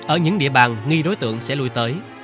ở những địa bàn nghi đối tượng sẽ lùi tới